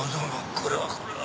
これはこれは。